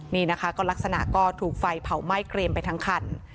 นี่นะคะก็ลักษณะก็ถูกไฟเผาไหม้เกรียมไปทั้งคัน